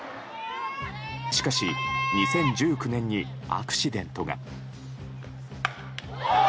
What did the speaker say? しかし、２０１９年にアクシデントが。